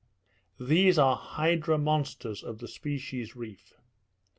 These are hydra monsters of the species reef.